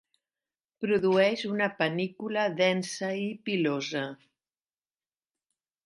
Produeix una panícula densa i pilosa.